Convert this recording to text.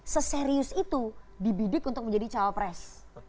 seserius itu dibidik untuk menjadi cawapres